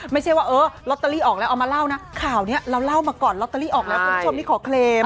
ไม่ใช่ว่าเออลอตเตอรี่ออกแล้วเอามาเล่านะข่าวนี้เราเล่ามาก่อนลอตเตอรี่ออกแล้วคุณผู้ชมนี่ขอเคลม